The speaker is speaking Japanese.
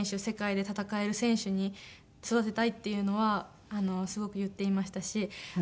世界で戦える選手に育てたいっていうのはすごく言っていましたし。